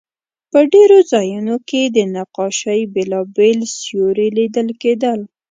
په ډېرو ځایونو کې د نقاشۍ بېلابېل سیوري لیدل کېدل.